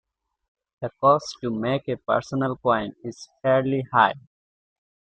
The cost to make a personal coin is fairly high.